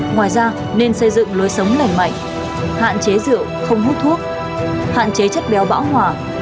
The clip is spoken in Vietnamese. ngoài ra nên xây dựng lối sống lành mạnh hạn chế rượu không hút thuốc hạn chế chất béo bão hòa